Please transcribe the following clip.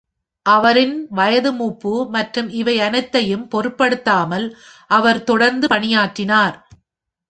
அவரின் வயது மூப்பு மற்றும் இவை அனைத்தையும் பொருட்படுத்தமால் அவர் தொடர்ந்து பணியாற்றினார்.